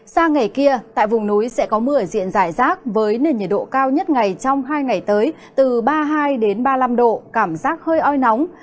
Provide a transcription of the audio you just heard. sang ngày kia tại vùng núi sẽ có mưa ở diện giải rác với nền nhiệt độ cao nhất ngày trong hai ngày tới từ ba mươi hai ba mươi năm độ cảm giác hơi oi nóng